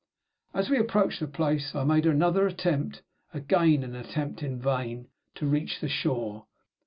As we approached the place, I made another attempt (again an attempt in vain) to reach the shore.